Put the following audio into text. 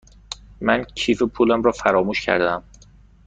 من کیف پولم را فراموش کرده ام.